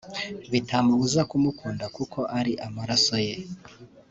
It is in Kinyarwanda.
bitamubuza kumukunda kuko ari amaraso ye